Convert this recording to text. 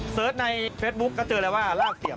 เสิร์ชในเฟซบุ๊กก็เจอเลยว่าลากเสียบ